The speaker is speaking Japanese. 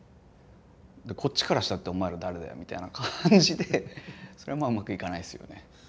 こっちからしたって「お前ら誰だよ」みたいな感じでそれはまあうまくいかないですよね。